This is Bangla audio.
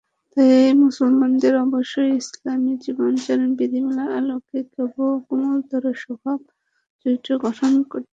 তাই মুসলমানদের অবশ্যই ইসলামি জীবনাচরণ বিধিমালার আলোকে কোমলতর স্বভাব-চরিত্র গঠন করতে হবে।